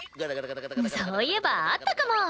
そういえばあったかも！